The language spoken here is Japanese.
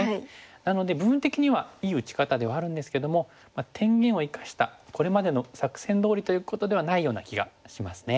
なので部分的にはいい打ち方ではあるんですけども天元を生かしたこれまでの作戦どおりということではないような気がしますね。